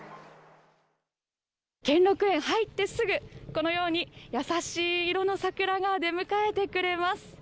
兼六園、入ってすぐ、このように、優しい色の桜が出迎えてくれます。